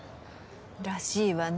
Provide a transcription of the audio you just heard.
らしいわね